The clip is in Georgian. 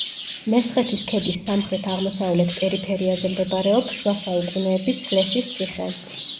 მესხეთის ქედის სამხრეთ-აღმოსავლეთ პერიფერიაზე მდებარეობს შუა საუკუნეების სლესის ციხე.